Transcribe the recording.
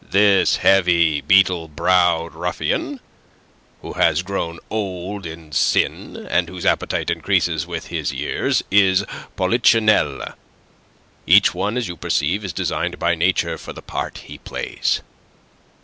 "This heavy, beetle browed ruffian, who has grown old in sin, and whose appetite increases with his years, is Polichinelle. Each one, as you perceive, is designed by Nature for the part he plays.